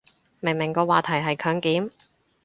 明明個話題係強檢